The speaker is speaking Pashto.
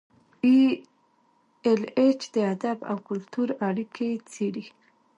ای ایل ایچ د ادب او کلتور اړیکې څیړي.